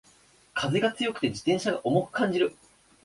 風が強くて自転車が重く感じる